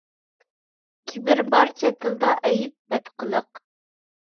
كىبىر – بارچە تىلدا ئەيب، بەتقىلىق.